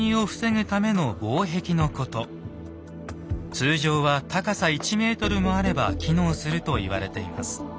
通常は高さ１ｍもあれば機能すると言われています。